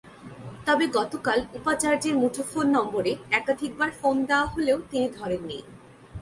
তবে গতকাল উপাচার্যের মুঠোফোন নম্বরে একাধিকবার ফোন দেওয়া হলেও তিনি ধরেননি।